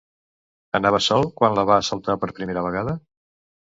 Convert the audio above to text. Anava sol quan la va assaltar per primera vegada?